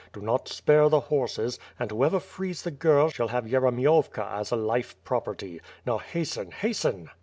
Do not spare tMe horses; and whoever frees the girl, shall have Yeremiovka as a life property. Now hasten, hasten."